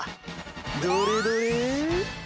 どれどれ？